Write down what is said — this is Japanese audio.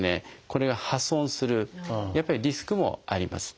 これが破損するリスクもあります。